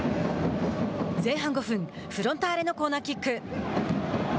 前半５分、フロンターレのコーナーキック。